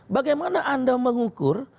bagaimana anda mengukur